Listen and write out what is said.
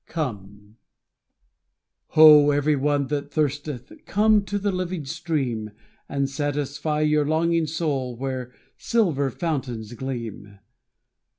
Come Ho, every one that thirsteth, Come to the living stream, And satisfy your longing soul Where silver fountains gleam.